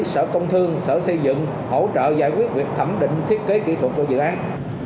sở công thương sở xây dựng hỗ trợ giải quyết việc thẩm định thiết kế kỹ thuật của dự án